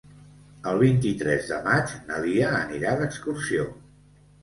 El vint-i-tres de maig na Lia anirà d'excursió.